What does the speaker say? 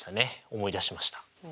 思い出しました。